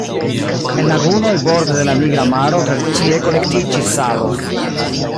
En lagunoj borde de la Nigra Maro tradicie kolektiĝis salo.